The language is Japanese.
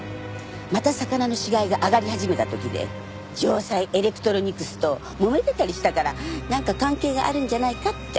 また魚の死骸が上がり始めた時で城西エレクトロニクスともめてたりしたからなんか関係があるんじゃないかって。